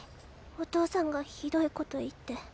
お父さんがひどいこと言って。